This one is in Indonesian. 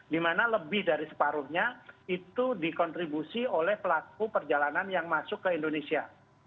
di mana lebih dari separuhnya itu dikontribusi oleh pelaku perjalanan yang masuk ke indonesia